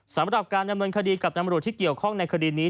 สำหรับการดำเนินคดีกับตำรวจที่เกี่ยวข้องในคดีนี้